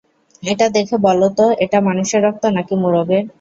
এটা দেখে বলো তো এটা মানুষের রক্ত নাকি মুরগের।